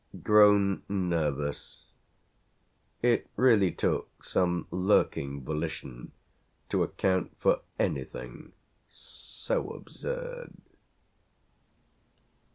grown nervous. It really took some lurking volition to account for anything so absurd.